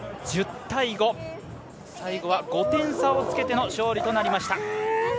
最後は５点差をつけての勝利となりました。